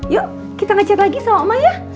yuk kita ngecet lagi sama oma ya